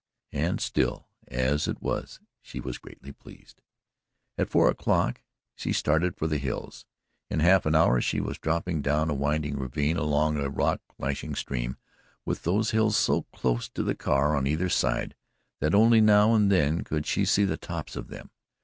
And, still as it was she was greatly pleased. At four o'clock she started for the hills. In half an hour she was dropping down a winding ravine along a rock lashing stream with those hills so close to the car on either side that only now and then could she see the tops of them.